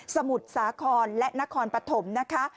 มุทรสาครและนครปฐมนะคะ